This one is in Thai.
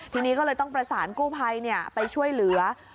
ทีนี้ก็เลยต้องประสานกู้ภัยไปช่วยเหลือ